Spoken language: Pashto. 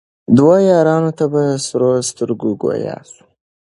دوو یارانو ته په سرو سترګو ګویا سو